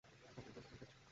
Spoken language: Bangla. আমি শুধু প্রশ্নই করছি।